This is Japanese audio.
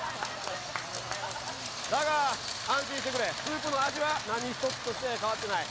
だが安心してくれ、スープの味は何一つ変わっていない。